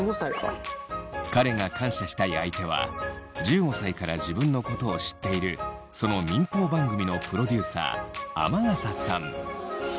彼が感謝したい相手は１５歳から自分のことを知っているその民放番組のプロデューサー天笠さん。